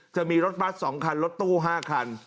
จะมีรถบัส๒คันรถตู้๕คัน